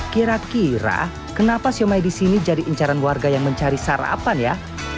kira kira kenapa siomay di sini jadi incaran warga yang mencari sarapan ya